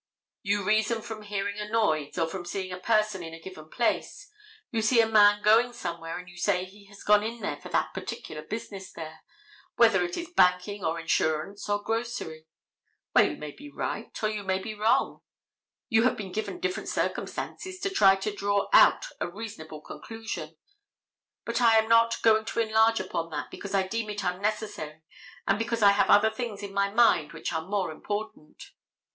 You reason from hearing a noise or from seeing a person in a given place. You see a man going somewhere and you say he has gone in there for that particular business there, whether it is banking or insurance or grocery. Well, you may be right or you may be wrong. You have been given different circumstances to try to draw out a reasonable conclusion, but I am not going to enlarge upon that because I deem it unnecessary and because I have other things in my mind which are more important.